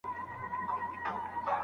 مشاورینو به سیاسي ستونزي حل کولې.